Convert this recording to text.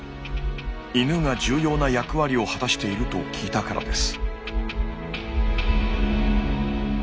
犬が重要な役割を果たしていると聞いたからです。